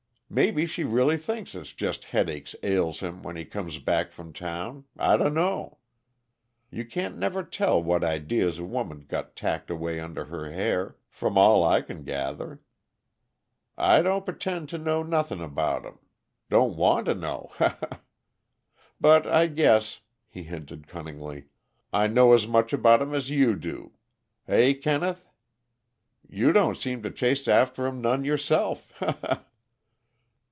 Mebbe she reely thinks it's jest headaches ails him when he comes back from town I dunno. You can't never tell what idees a woman's got tacked away under her hair from all I c'n gether. I don't p'tend to know nothing about 'em don't want to know he he! But I guess," he hinted cunningly, "I know as much about 'em as you do hey, Kenneth? You don't seem to chase after 'em none, yourself _he he!